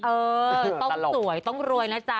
เออต้องสวยต้องรวยนะจ๊ะ